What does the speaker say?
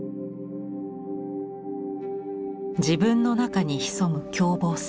自分の中に潜む凶暴性。